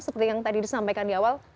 seperti yang tadi disampaikan di awal